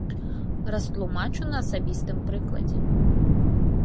Растлумачу на асабістым прыкладзе.